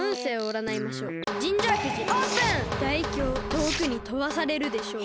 とおくにとばされるでしょう。